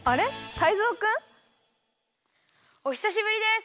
タイゾウくん？おひさしぶりです！